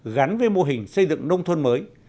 gắn với mô hình xây dựng nông thôn mới